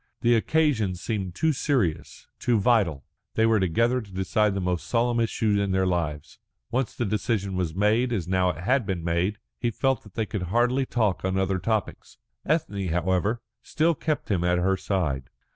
The occasion seemed too serious, too vital. They were together to decide the most solemn issue in their lives. Once the decision was made, as now it had been made, he felt that they could hardly talk on other topics. Ethne, however, still kept him at her side.